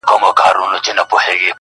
بیا په کونړ کې مېله کونکو